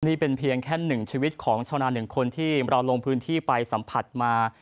นี่เป็นเพียงแค่หนึ่งชีวิตของชาวนา๑คนที่เราลงพื้นที่ไปสัมผัสมา